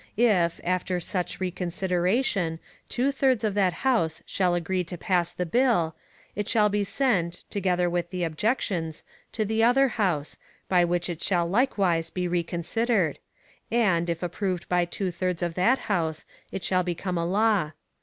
If, after such reconsideration, two thirds of that House shall agree to pass the bill, it shall be sent, together with the objections, to the other House, by which it shall likewise be reconsidered, and, if approved by two thirds of that House, it shall become a law.